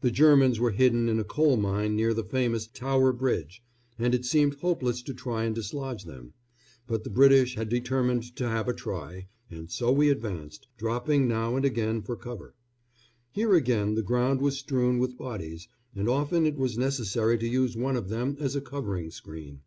The Germans were hidden in a coal mine near the famous "Tower Bridge," and it seemed hopeless to try and dislodge them; but the British had determined to have a try, and so we advanced, dropping now and again for cover. Here again the ground was strewn with bodies, and often it was necessary to use one of them as a covering screen.